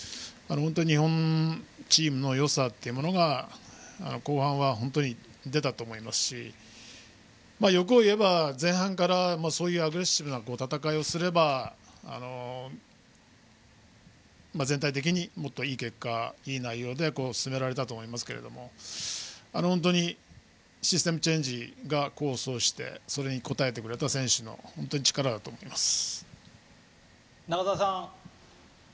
日本チームのよさが後半は本当に出たと思いますし欲を言えば、前半からアグレッシブな戦いをすれば全体的にもっといい結果いい内容で進められたと思いますが本当にシステムチェンジが功を奏してそれに応えてくれた選手の力だと思います。